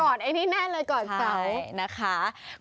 กอดไอ้นี่แน่นเลยกอดเสานะคะใช่